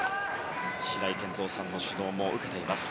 白井健三さんの指導も受けています。